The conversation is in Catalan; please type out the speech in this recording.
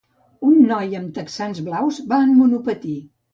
Un noi amb texans blaus va en monopatí.